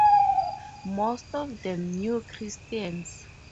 Most of them New Christians.